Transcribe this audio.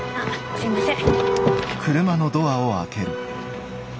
すいません。